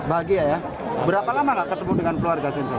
bahagia ya berapa lama gak ketemu dengan keluarga senja